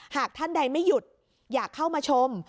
หากท่านใดไม่หยุดอยากเข้ามาชม